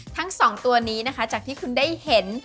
ทั้งสองตัวนี้นะคะจากที่คุณได้เห็น